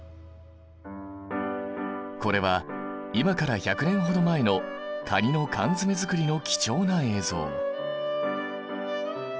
これは今から１００年ほど前のカニの缶詰作りの貴重な映像。